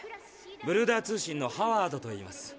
ブルーダー通信のハワードといいます。